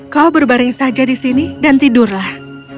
kau berbaring saja di sini dan tidurlah